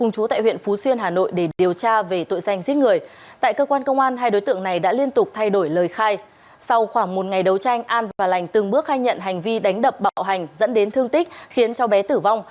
sau khoảng một ngày đấu tranh an và lành từng bước khai nhận hành vi đánh đập bạo hành dẫn đến thương tích khiến cho bé tử vong